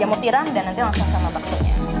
jamur tiram dan nanti langsung sama bakso nya